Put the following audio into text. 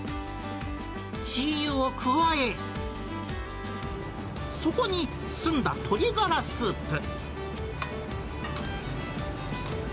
チーユを加え、そこに澄んだ鶏がらスープ。